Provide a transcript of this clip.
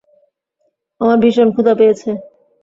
আমার ভীষণ ক্ষুধা পেয়েছে।